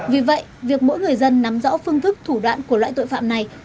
vì vậy việc mỗi người dân nắm rõ phương thức thủ đoạn của loại tội phạm này